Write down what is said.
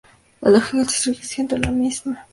La lógica del acertijo sigue siendo la misma.